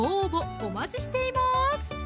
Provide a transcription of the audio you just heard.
お待ちしています